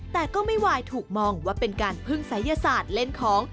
แต่ก็ไม่วายถูกมองว่าเป็นการพึ่งศัยศาสตร์เล่นของ